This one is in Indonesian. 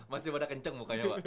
mas dibanda kenceng mukanya pak